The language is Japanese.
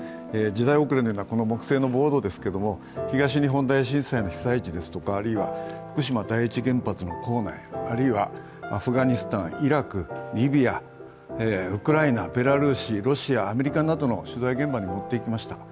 時代後れのようなこの木製のボードですけれども東日本大震災の現地ですとかあるいは福島第一原発の構内、あるいはアフガニスタン、イラク、リビア、ウクライナ、ベラルーシ、アメリカなどの取材現場に持っていきました。